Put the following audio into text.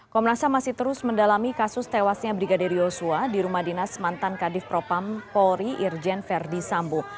komnas ham masih terus mendalami kasus tewasnya brigadir yosua di rumah dinas mantan kadif propam polri irjen verdi sambo